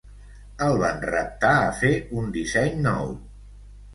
El van reptar a fer un disseny nou.